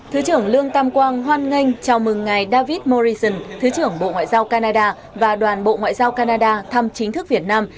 thứ trưởng lương tam quang hoan nghênh chào mừng ngài david morrison thứ trưởng bộ ngoại giao canada và đoàn bộ ngoại giao canada thăm chính thức việt nam